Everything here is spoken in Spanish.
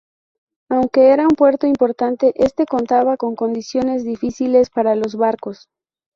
Aunque era un puerto importante, este contaba con condiciones difíciles para los barcos.